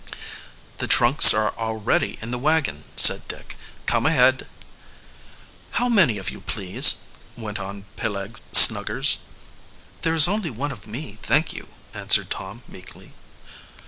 "The trunks are already in the wagon," said Dick. "Come ahead." "How many of you, please?" went on Peleg Snuggers. "There is only one of me, thank you," answered Tom meekly.